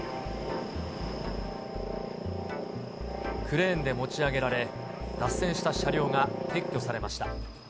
クレーンで持ち上げられ、脱線した車両が撤去されました。